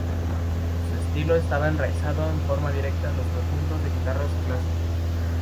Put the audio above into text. Su estilo estaba enraizado en forma directa a los conjuntos de guitarras clásicos.